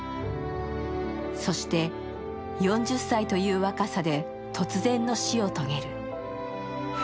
そして４０歳という若さで突然の死を遂げる。